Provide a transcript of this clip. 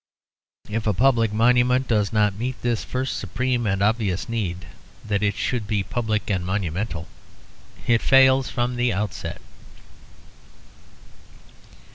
If a public monument does not meet this first supreme and obvious need, that it should be public and monumental, it fails from the outset.